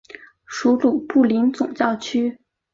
属卢布林总教区。